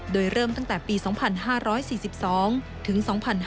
โดยเริ่มตั้งแต่ปี๒๕๔๒ถึง๒๕๕๙